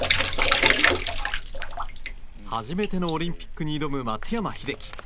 初めてのオリンピックに挑む松山英樹。